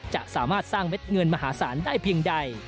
จะสามารถสร้างเม็ดเงินมหาศาลได้เพียงใด